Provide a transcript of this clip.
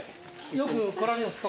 よく来られるんですか？